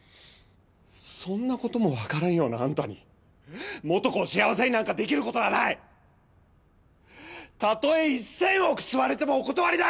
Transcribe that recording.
そんな事もわからんようなあんたに素子を幸せになんかできる事はない！たとえ１０００億積まれてもお断りだ！！